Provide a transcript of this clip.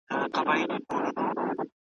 د سیالانو په ټولۍ کي قافلې روانومه `